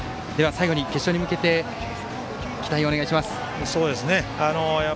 最後に決勝に向けて期待をお願いします。